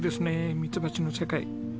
ミツバチの世界。